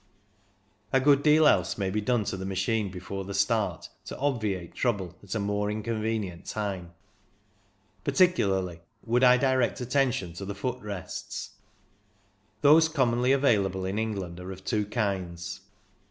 A good deal else may be done to the machine before the start, to obviate trouble at a more inconvenient time. Particularly would I direct attention to the foot rests. Those commonly available in England are of two kinds.